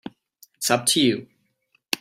It's up to you.